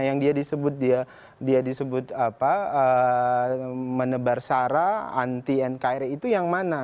yang dia disebut dia disebut menebar sara anti nkri itu yang mana